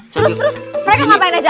terus terus mereka ngapain aja